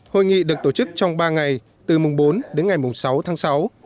hội nghị được tổ chức trong ba ngày từ mùng bốn đến ngày mùng sáu tháng sáu